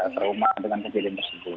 trauma dengan kejadian tersebut